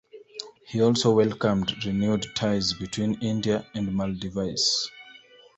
He also welcomed renewed ties between India and Maldives.